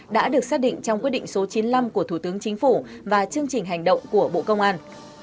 đã được xác định trong quyết định số chín mươi năm của thủ tướng chính phủ và chương trình hành động của bộ công an